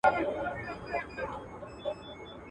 د واه ، واه يې باندي جوړ كړل بارانونه .